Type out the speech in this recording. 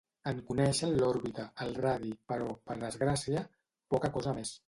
En coneixem l'òrbita, el radi, però, per desgràcia, poca cosa més.